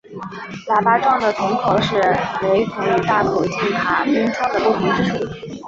喇叭状的铳口是雷筒与大口径卡宾枪的不同之处。